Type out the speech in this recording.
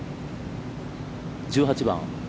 １８番。